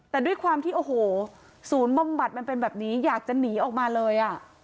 แต่ด้วยความสูญบำบัดมันเป็นแบบนี้อยากจะหนีออกมาเลย